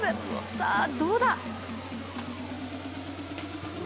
さあ、どうだ？